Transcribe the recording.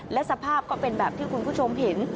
และสภาพก็เป็นแบบที่คุณผู้ชมเห็น